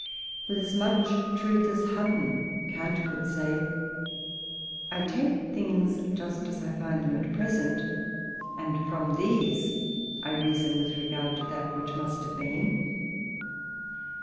With as much truth as Hutton, Kant could say, "I take things just as I find them at present, and, from these, I reason with regard to that which must have been."